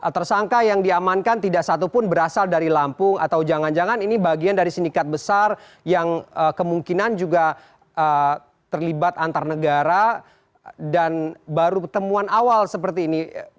tersangka yang diamankan tidak satupun berasal dari lampung atau jangan jangan ini bagian dari sindikat besar yang kemungkinan juga terlibat antar negara dan baru pertemuan awal seperti ini